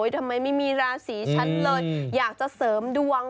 ทำไมไม่มีราศีฉันเลยอยากจะเสริมดวง